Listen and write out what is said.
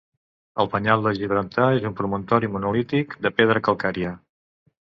El penyal de Gibraltar és un promontori monolític de pedra calcària.